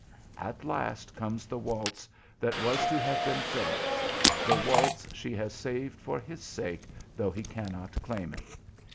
At last comes the waltz that was to have been Philip's, the waltz she has saved for his sake though he cannot claim it.